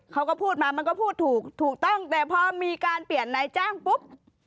เขาก็พูดมามันก็พูดถูกถูกต้องแต่พอมีการเปลี่ยนนายจ้างปุ๊บ